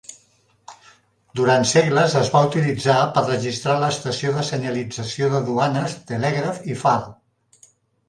Durant segles es va utilitzar per registrar l'estació de senyalització de duanes telègraf i far.